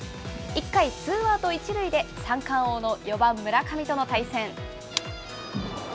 １回、ツーアウト１塁で三冠王の４番村上との対戦。